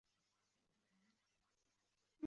程砚秋自称鸳鸯冢是一出伟大的爱情悲剧。